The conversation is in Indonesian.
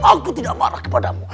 aku tidak marah kepadamu